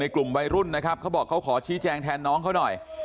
กลุ่มวัยรุ่นนะครับเขาบอกเขาขอชี้แจงแทนน้องเขาหน่อย